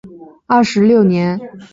二十六年以左庶子提督贵州学政。